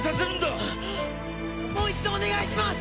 もう一度お願いします！